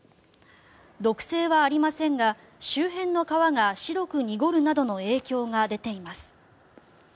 毒性はありませんが周辺の川が白く濁るなどの影響が出ています。